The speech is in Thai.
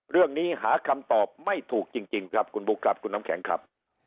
เรื่องนี้หาคำตอบไม่ถูกจริงครับคุณบุ๊คครับคุณน้ำแข็งครับ